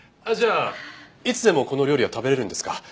じゃあいつでもこの料理は食べれるんですか？